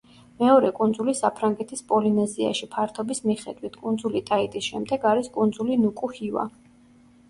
მეორე კუნძული საფრანგეთის პოლინეზიაში ფართობის მიხედვით კუნძულ ტაიტის შემდეგ არის კუნძული ნუკუ-ჰივა.